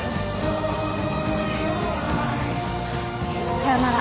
さよなら。